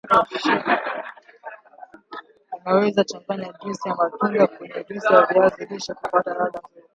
unaweza changanya juisi ya matunda kwenye juisi ya viazi lishe kupata ladha nzuri